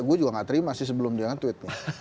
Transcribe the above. gue juga gak terima sih sebelum dia nge tweet